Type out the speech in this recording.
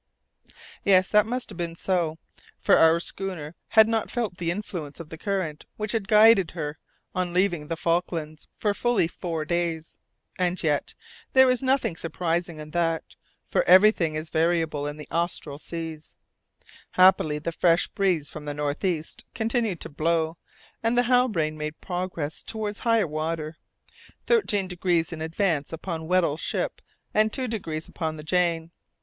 Yes, that must have been so, for our schooner had not felt the influence of the current which had guided her on leaving the Falklands, for fully four days. And yet, there was nothing surprising in that, for everything is variable in the austral seas. Happily, the fresh breeze from the north east continued to blow, and the Halbrane made progress toward higher waters, thirteen degrees in advance upon Weddell's ship and two degrees upon the Jane.